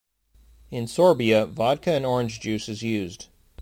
In Sorbia, vodka and orange juice is used.